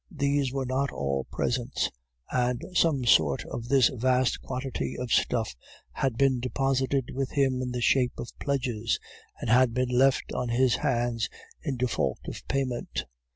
Perhaps these were not all presents, and some part of this vast quantity of stuff had been deposited with him in the shape of pledges, and had been left on his hands in default of payment.